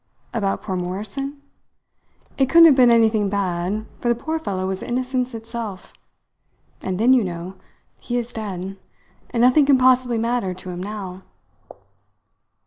"About poor Morrison? It couldn't have been anything bad, for the poor fellow was innocence itself. And then, you know, he is dead, and nothing can possibly matter to him now."